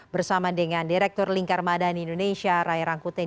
bersama dengan direktur lingkar madan indonesia rai rangkutin